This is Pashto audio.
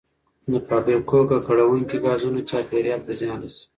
د فابریکو ککړونکي ګازونه چاپیریال ته زیان رسوي.